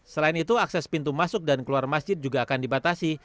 selain itu akses pintu masuk dan keluar masjid juga akan dibatasi